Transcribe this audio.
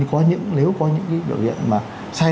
có những nếu có những điều kiện mà sai